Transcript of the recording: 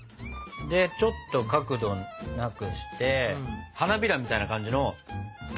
でちょっと角度なくして花びらみたいな感じの。